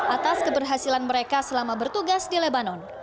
atas keberhasilan mereka selama bertugas di lebanon